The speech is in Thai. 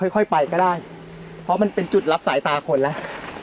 ค่อยไปก็ได้เพราะมันเป็นจุดรับสายตาคนแล้ว